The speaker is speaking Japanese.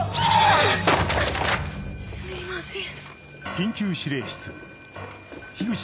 すいません。